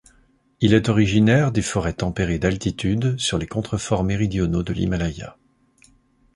Il est originaire des forêts tempérées d'altitude sur les contreforts méridionaux de l'Himalaya.